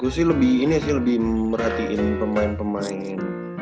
gue sih lebih ini sih lebih merhatiin pemain pemain